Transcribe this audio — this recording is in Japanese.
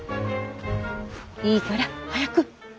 いいから早く。